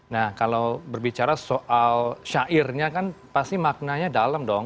nah kalau berbicara soal syairnya kan pasti maknanya dalam dong